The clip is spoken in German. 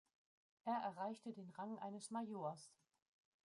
Er erreichte den Rang eines Majors.